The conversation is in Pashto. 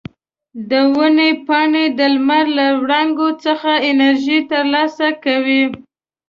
د ونو پاڼې د لمر له وړانګو څخه انرژي ترلاسه کوي.